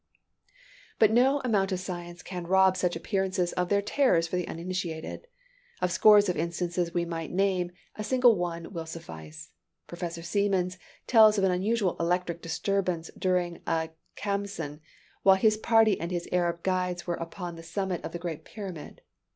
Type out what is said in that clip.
But no amount of science can rob such appearances of their terrors for the uninitiated. Of scores of instances we might name, a single one will suffice. Prof. Siemens tells of an unusual electric disturbance during a Khamsin, while his party and his Arab guides were upon the summit of the great pyramid.